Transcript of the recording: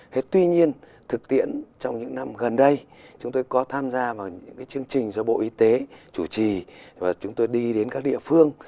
thế tuy nhiên thực tiễn trong những năm gần đây chúng tôi có tham gia vào những chương trình do bộ y tế chủ trì và chúng tôi đi đến các địa phương